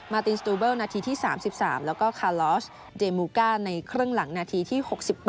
ตินสตูเบิลนาทีที่๓๓แล้วก็คาลอสเดมูก้าในครึ่งหลังนาทีที่๖๘